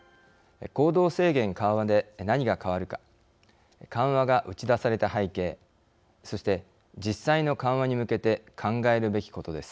行動制限緩和で何が変わるか緩和が打ち出された背景そして実際の緩和に向けて考えるべきことです。